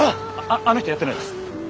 あっあの人やってないです。